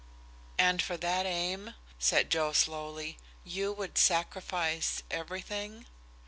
"And for that aim," said Joe, slowly, "you would sacrifice everything?"